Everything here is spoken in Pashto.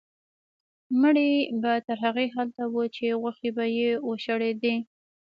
مړی به تر هغې هلته و چې غوښې به یې وشړېدې.